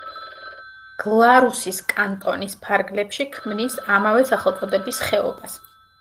გლარუსის კანტონის ფარგლებში ქმნის ამავე სახელწოდების ხეობას.